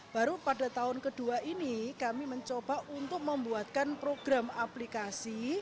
baru pada tahun kedua ini kami mencoba untuk membuatkan program aplikasi